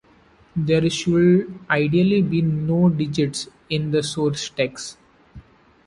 There should ideally be no digits in the source text